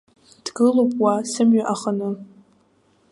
Дгылоуп уа, сымҩа аханы.